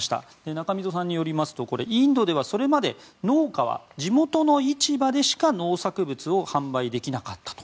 中溝さんによりますとこれ、インドではそれまで農家は地元の市場でしか農作物を販売できなかったと。